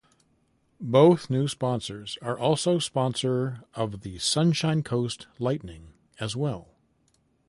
Both new sponsors are also sponsor of the Sunshine Coast Lightning as well.